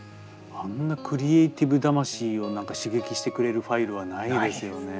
あんなクリエーティブ魂を何か刺激してくれるファイルはないですよね。